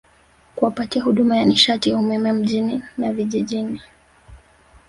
kuwapatia huduma ya nishati ya umeme mjini na vijijini